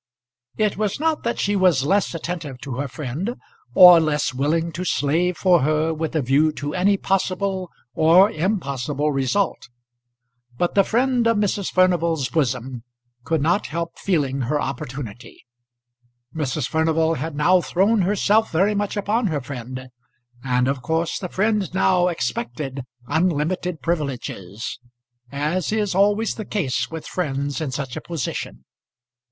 It was not that she was less attentive to her friend, or less willing to slave for her with a view to any possible or impossible result. But the friend of Mrs. Furnival's bosom could not help feeling her opportunity. Mrs. Furnival had now thrown herself very much upon her friend, and of course the friend now expected unlimited privileges; as is always the case with friends in such a position.